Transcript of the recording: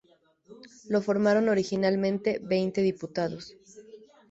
Lo formaron originalmente veinte diputados.